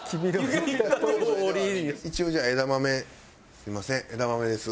すみません枝豆です。